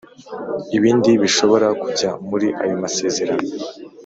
Ibindi bishobora kujya muri ayo masezerano